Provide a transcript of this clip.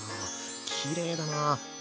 きれいだな。